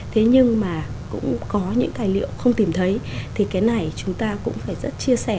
thế nhưng mà cũng có những tài liệu không tìm thấy thì cái này chúng ta cũng phải rất chia sẻ